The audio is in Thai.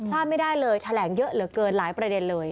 พลาดไม่ได้เลยแถลงเยอะเหลือเกินหลายประเด็นเลย